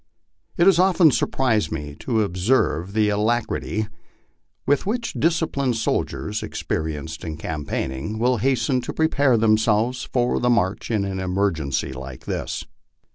It has often surprised me to observe the alacrity with which disciplined soldiers, experienced in campaigning, will hasten to prepare themselves for the march in an emergency like this.